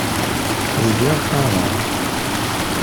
Zgiɣ qqaṛeɣ.